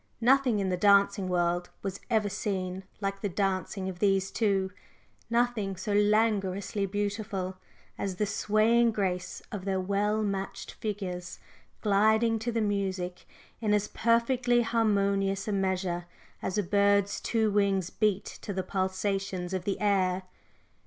Nothing in the dancing world was ever seen like the dancing of these two nothing so languorously beautiful as the swaying grace of their well matched figures gliding to the music in as perfectly harmonious a measure as a bird's two wings beat to the pulsations of the air.